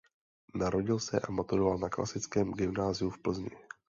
Narodil se a maturoval na klasickém gymnáziu v Plzni.